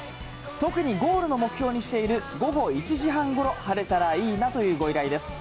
特にゴールの目標にしている午後１時半ごろ、貼れたらいいなというご依頼です。